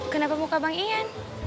kenapa muka bang ian